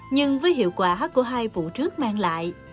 nhưng với hiệu quả của hai vụ trước mang lại